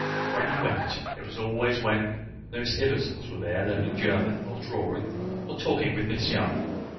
When he went, it was always when the Miss Ibbotsons were there, learning German, or drawing, or talking with Miss Young.